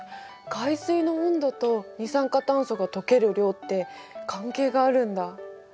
海水の温度と二酸化炭素が溶ける量って関係があるんだ。